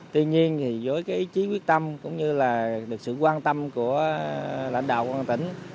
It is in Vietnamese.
tuy nhiên với ý chí quyết tâm cũng như là sự quan tâm của lãnh đạo quân tỉnh